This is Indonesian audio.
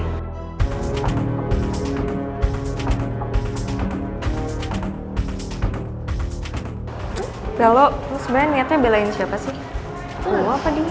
kalau sebenarnya belain siapa sih apa dia